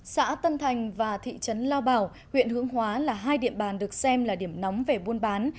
xã tân thành và thị trấn lao bảo huyện hướng hóa là hai địa bàn được xem là điểm nóng về buôn bán